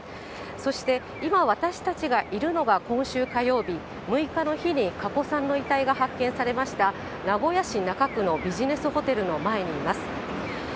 そして今、私たちがいるのが、今週火曜日、６日の日に、加古さんの遺体が発見されました、名古屋市中区のビジネスホテルの前にあります。